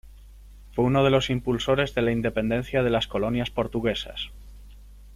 Fue uno de los impulsores de la independencia de las colonias portuguesas.